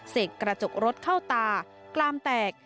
เสกกระจกรถเข้าตากลามแตก